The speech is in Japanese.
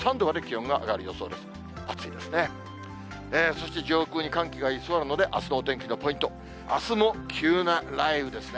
そして上空に寒気が居座るので、あすのお天気のポイント、あすも急な雷雨ですね。